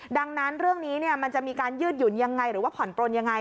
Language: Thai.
ดังนั้นเรื่องนี้มันจะมีการยืดหยุ่นยังไงหรือว่าผ่อนปลนยังไง